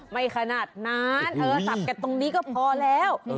ไม่ขนาดนั้นสับแก่ตรงนี้ก็พอแล้ว